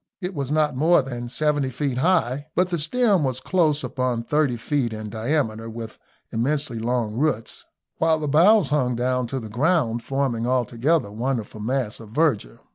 It was not more than seventy feet high, but the stem was close upon thirty feet in diameter, with immensely long roots, while the boughs hung down to the ground, forming altogether a wonderful mass of verdure.